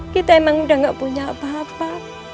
kita memang sudah tidak punya apa apa